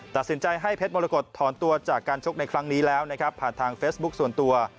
ตัดสินใจให้เพชรมรกฏถอนตัวจากการชกในครั้งนี้แล้วนะครับผ่านทางเฟซบุ๊คส่วนตัว